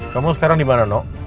kamu sekarang dimana no